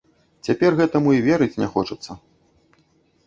Цяпер гэтаму і верыць не хочацца.